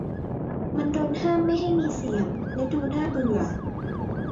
มันโดนห้ามไม่ให้มีเสียงและดูน่าเบื่อ